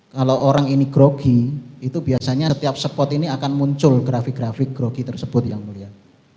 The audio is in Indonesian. kalau orang ini grogi itu biasanya setiap spot ini akan muncul grafik grafik grogi tersebut yang mulia